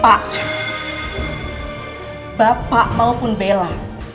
pak bapak maupun bella